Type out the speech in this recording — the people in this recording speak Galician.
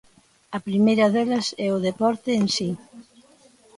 A primeira delas é o deporte en si.